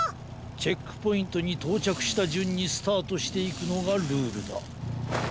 チェックポイントにとうちゃくしたじゅんにスタートしていくのがルールだ。